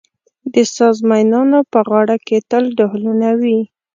د ساز مېنانو په غاړه کې تل ډهلونه وي.